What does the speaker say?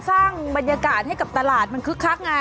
สร้างบรรยากาศให้กับตลาดมันคึกคักไง